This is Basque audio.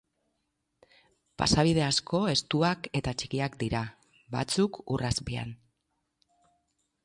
Pasabide asko estuak eta txikiak dira, batzuk ur azpian.